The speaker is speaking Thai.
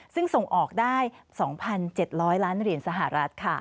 ซึ่งส่งออกได้๒๗๐๐ล้านเหรียญสหรัฐค่ะ